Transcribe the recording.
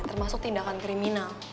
termasuk tindakan kriminal